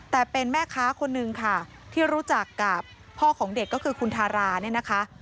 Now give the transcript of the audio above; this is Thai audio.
แต่เป็นแม่ค้าคนนึงค่ะที่รู้จักกับพ่อของเด็กก็คือคุณทาราเนี่ยนะคะ